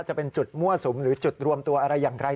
จะเป็นจุดมั่วสุมหรือจุดรวมตัวอะไรอย่างไร